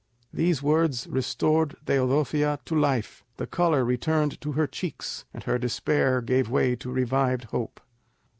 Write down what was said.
These words restored Teodosia to life; the colour returned to her cheeks, and her despair gave way to revived hope.